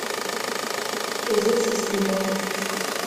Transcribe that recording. Der Sitz ist in Bonn.